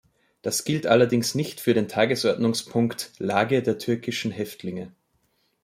Das gilt allerdings nicht für den Tagesordnungspunkt "Lage der türkischen Häftlinge" .